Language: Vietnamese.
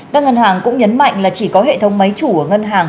các ngân hàng cũng nhấn mạnh là chỉ có hệ thống máy chủ ở ngân hàng